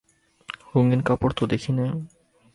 রঙিন কাপড় তো দেখি নে।